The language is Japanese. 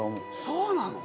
そうなの？